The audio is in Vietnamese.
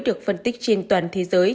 được phân tích trên toàn thế giới